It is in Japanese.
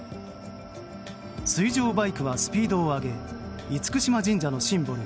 水上バイクはスピードを上げ厳島神社のシンボル